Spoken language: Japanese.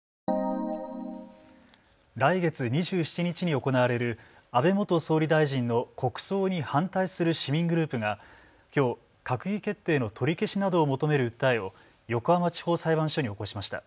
来月２７日に行われる安倍元総理大臣の国葬に反対する市民グループが、きょう閣議決定の取り消しなどを求める訴えを横浜地方裁判所に起こしました。